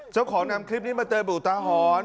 เจ้าของนำคลิปนี้มาเติมบุตาหรณ์